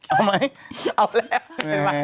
เอาไหม